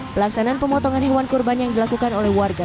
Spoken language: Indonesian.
pelaksanaan pemotongan hewan kurban yang dilakukan oleh warga